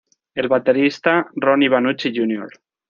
El baterista Ronnie Vannucci Jr.